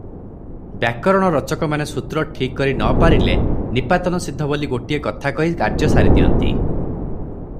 ବ୍ୟାକରଣ ରଚକମାନେ ସୂତ୍ର ଠିକ୍ କରି ନପାରିଲେ ନିପାତନସିଦ୍ଧ ବୋଲି ଗୋଟିଏ କଥା କହି କାର୍ଯ୍ୟ ସାରିଦିଅନ୍ତି ।